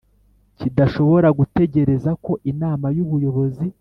Kidashobora gutegereza ko inama y ubuyobozi